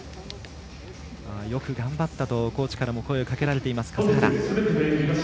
よく頑張ったとコーチからも声をかけられている笠原。